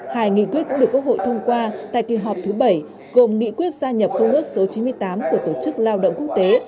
hai nghị quyết cũng được quốc hội thông qua tại kỳ họp thứ bảy gồm nghị quyết gia nhập công ước số chín mươi tám của tổ chức lao động quốc tế